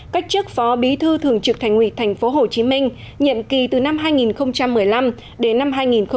cách chức phó bí thư thường trực thành ủy tp hcm nhận kỳ từ năm hai nghìn một mươi năm đến năm hai nghìn hai mươi